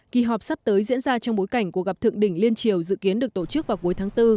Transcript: kỳ họp sắp tới diễn ra trong bối cảnh cuộc gặp thượng đỉnh liên triều dự kiến được tổ chức vào cuối tháng bốn